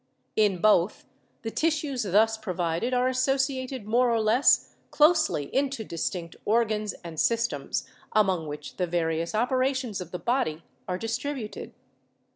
In both, the tissues thus provided are associated more or less closely into distinct organs and systems, among which the various operations of the body are distributed.